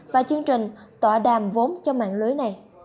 và chương trình tọa đàm vốn cho mạng lưới này